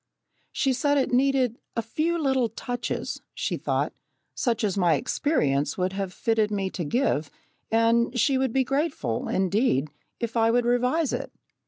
She said it needed "a few little touches," she thought, such as my experience would have fitted me to give, and she would be grateful, indeed, if I would revise it.